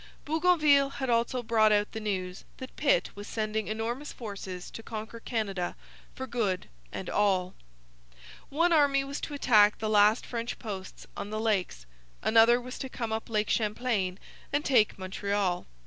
Bougainville had also brought out the news that Pitt was sending enormous forces to conquer Canada for good and all. One army was to attack the last French posts on the Lakes. Another was to come up Lake Champlain and take Montreal.